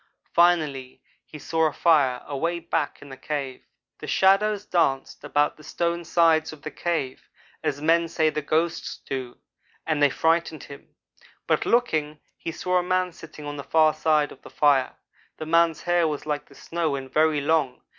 Finally he saw a fire away back in the cave. "The shadows danced about the stone sides of the cave as men say the ghosts do; and they frightened him. But looking, he saw a man sitting on the far side of the fire. The man's hair was like the snow and very long.